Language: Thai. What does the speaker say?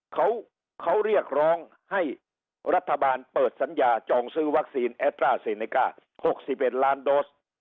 เขาเค้าเรียกร้องให้รัฐบาลเปิดสัญญาจองซื้อวัคซีนเอ็กซีนิโกร์๖๑ล้านโดส